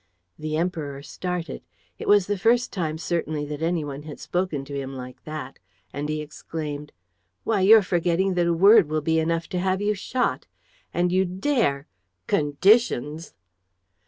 The Emperor started. It was the first time certainly that any one had spoken to him like that; and he exclaimed: "Why, you're forgetting that a word will be enough to have you shot! And you dare! Conditions!